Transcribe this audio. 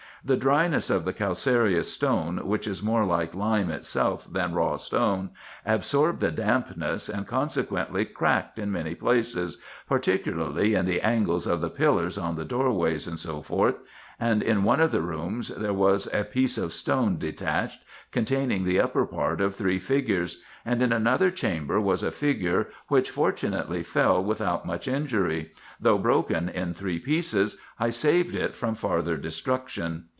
The dryness of the calcareous stone, which is more like lime itself than raw stone, absorbed the dampness, and consequently cracked in many places, particularly in the angles of the pillars on the doorways, &c. ; and in one of the rooms there was a piece of stone detached, containing the upper part of three figures ; and in another chamber, was a figure, which fortunately fell without much injury ; though broken in three pieces, I saved it from farther destruction.